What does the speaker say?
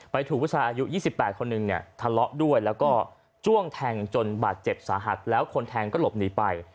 ถูกผู้ชายอายุ๒๘คนหนึ่งเนี่ยทะเลาะด้วยแล้วก็จ้วงแทงจนบาดเจ็บสาหัสแล้วคนแทงก็หลบหนีไป